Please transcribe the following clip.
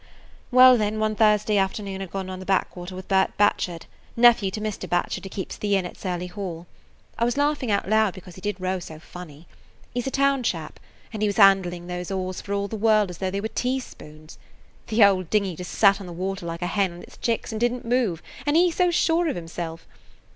"Well, then, one Thursday afternoon I 'd gone on the back water with Bert Batchard, nephew to Mr. Batchard who keeps the inn at Surly Hall. I was laughing out loud because he did row so funny! He 's a town chap, and he was handling those oars for all the world as though they were teaspoons. The old dinghy just sat on the water like a hen on its chicks and didn't move, and he so sure of himself!